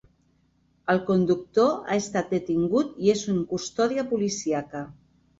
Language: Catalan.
El conductor ha estat detingut i és en custòdia policíaca.